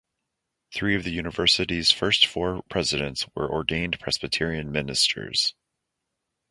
Three of the University's first four presidents were ordained Presbyterian ministers.